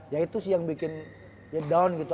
ya itu sih yang bikin ya down gitu